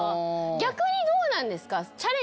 逆にどうなんですか？